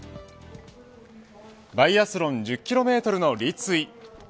バイアスロン１０キロメートルの立位。